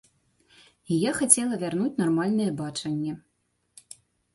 І я хацела вярнуць нармальнае бачанне.